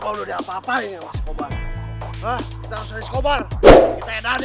alet abah gue mana